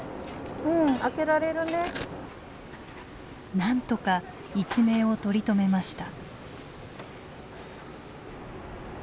なんとか一命を取り留めました。